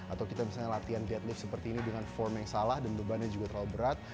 atau kita misalnya latihan deadlove seperti ini dengan form yang salah dan bebannya juga terlalu berat